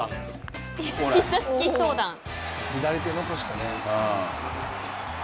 左手残したね。